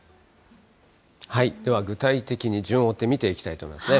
では具体的に、順を追って見ていきたいと思いますね。